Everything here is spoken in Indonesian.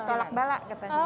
solak balak katanya